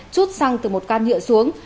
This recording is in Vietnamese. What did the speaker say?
chút xăng từ một can nhựa xuống